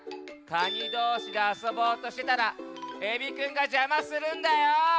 カニどうしであそぼうとしてたらエビくんがじゃまするんだよ！